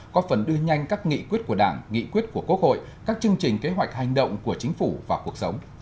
có phần đưa nhanh các nghị quyết của đảng nghị quyết của quốc hội các chương trình kế hoạch hành động của chính phủ vào cuộc sống